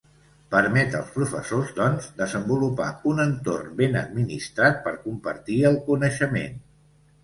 Permet als professors, doncs, desenvolupar un entorn ben administrat per compartir el coneixement.